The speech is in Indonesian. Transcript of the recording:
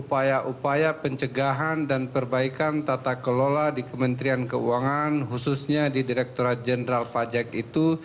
upaya upaya pencegahan dan perbaikan tata kelola di kementerian keuangan khususnya di direkturat jenderal pajak itu